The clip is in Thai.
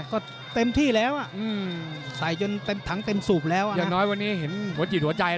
ก็เต็มที่แล้วอ่ะใส่จนเต็มถังเต็มสูบแล้วอ่ะนะ